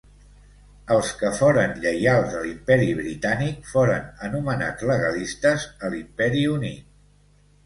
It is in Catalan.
Els que foren lleials a l'Imperi Britànic foren anomenats legalistes a l'Imperi Unit.